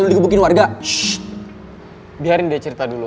lebih mungkin warga shhh biarin dia cerita dulu